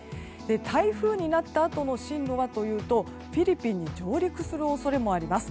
台風になったあとの進路はというとフィリピンに上陸する恐れもあります。